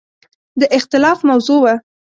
د اختلاف موضوع وه.